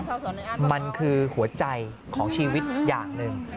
มันคือหัวใจของชีวิตอย่างหนึ่ง